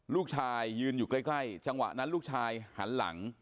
ลูกชายยืนอยู่ใกล้จังหวะนั้นลูกชายหันหลัง